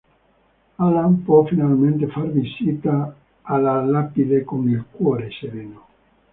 Alan può finalmente far visita alla lapide con il cuore sereno.